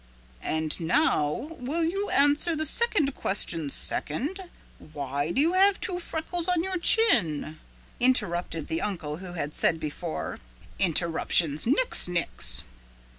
"And now will you answer the second question second why do you have two freckles on your chin?" interrupted the uncle who had said before, "Interruptions nix nix."